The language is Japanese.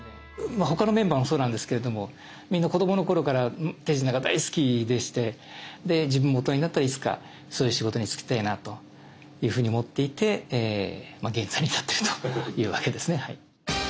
他のメンバーもそうなんですけれどもみんな子どもの頃から手品が大好きでして自分も大人になったらいつかそういう仕事に就きたいなというふうに思っていて現在に至っているというわけですねはい。